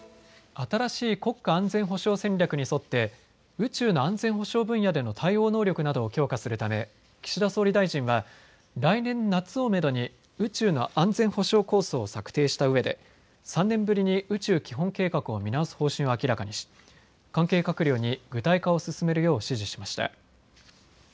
新しい国家安全保障戦略に沿って宇宙の安全保障分野での対応能力などを強化するため岸田総理大臣は来年夏をめどに宇宙の安全保障構想を策定したうえで３年ぶりに宇宙基本計画を見直す方針を明らかにし関係閣僚に具体化を進めるよう指示しました。